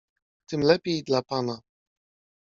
"Tym lepiej dla pana."